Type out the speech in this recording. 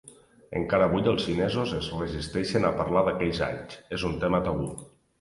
Encara avui els xinesos es resisteixen a parlar d'aquells anys; és un tema tabú.